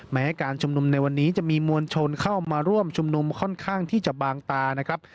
แม้การชุมนุมในวันนี้จะมีมวลชนเข้ามาร่วมชุมนุมค่อนข้างที่จะบางตานะครับ